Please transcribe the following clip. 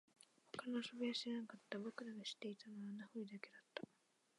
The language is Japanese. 他の遊びは知らなかった、僕らが知っていたのは穴掘りだけだった